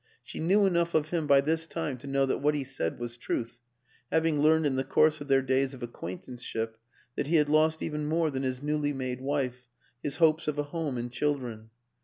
She knew enough of him by this time to know that what he said was truth, hav ing learned in the course of their days of acquaint anceship that he had lost even more than his newly made wife, his hopes of a home and chil dren.